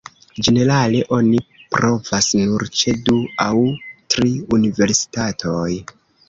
Ĝenerale oni provas nur ĉe du aŭ tri universitatoj.